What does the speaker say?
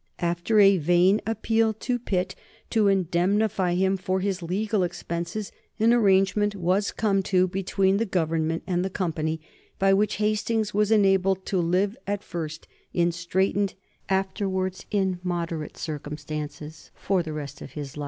After a vain appeal to Pitt to indemnify him for his legal expenses, an arrangement was come to between the Government and the Company by which Hastings was enabled to live at first in straitened, afterwards in moderate, circumstances for the rest of his life.